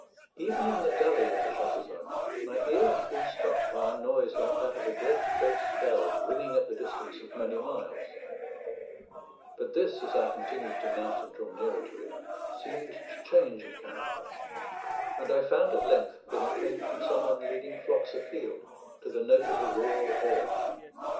Even in the gully of the Chassezac my ear had been struck by a noise like that of a great bass bell ringing at the distance of many miles; but this, as I continued to mount and draw nearer to it, seemed to change in character, and I found at length that it came from some one leading flocks afield to the note of a rural horn.